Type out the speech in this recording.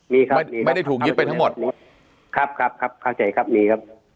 มีครับไม่ได้ถูกยึดไปทั้งหมดครับครับเข้าใจครับมีครับ